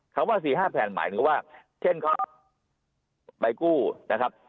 คำว่า๔๕แผ่นหมายถึงว่าเช่นข้อใบกู้นะครับ